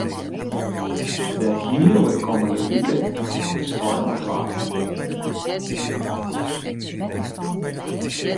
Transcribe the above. De hiele kommende wike is it stoarmich waar.